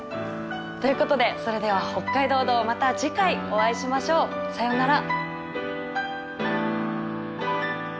ということでそれでは「北海道道」また次回お会いしましょう。さよなら。